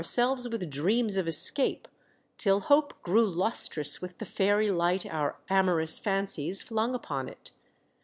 O'io selves with dreams of escape, till hope grew lustrous with the fairy light our amorous fancies flung upon it.